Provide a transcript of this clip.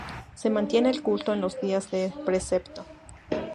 Se mantiene el culto en los días de precepto.